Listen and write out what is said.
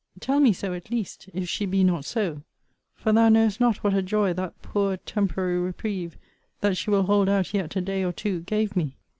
Tell me so at least, if she be not so: for thou knowest not what a joy that poor temporary reprieve, that she will hold out yet a day or two, gave me.